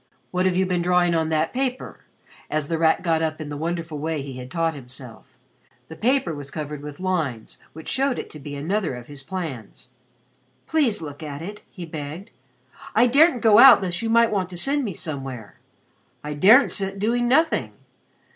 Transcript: What have you been drawing on that paper?" as The Rat got up in the wonderful way he had taught himself. The paper was covered with lines which showed it to be another of his plans. "Please look at it," he begged. "I daren't go out lest you might want to send me somewhere. I daren't sit doing nothing.